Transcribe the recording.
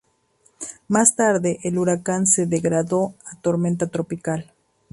Más tarde el huracán se degradó a tormenta tropical.